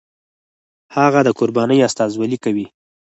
هغه د قربانۍ استازولي کوي.